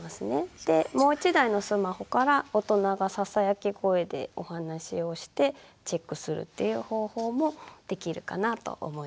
でもう１台のスマホから大人がささやき声でお話をしてチェックするっていう方法もできるかなと思います。